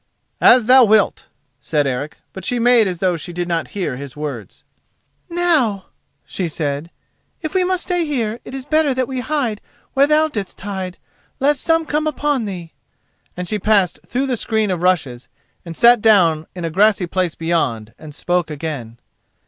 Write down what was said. "As thou wilt," said Eric; but she made as though she did not hear his words. "Now," she said, "if we must stay here, it is better that we hide where thou didst hide, lest some come upon thee." And she passed through the screen of rushes and sat down in a grassy place beyond, and spoke again.